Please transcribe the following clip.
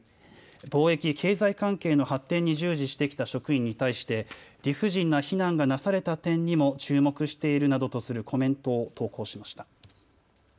貿易経済関係の発展に従事してきた職員に対して理不尽な非難がなされた点にも注目しているなどとするコメントを投稿しました。